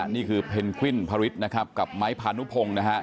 นี่คือเพนกวิ่นพระวิทย์กับไม้พานุพงศ์